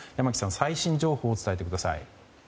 最新情報を教えてください。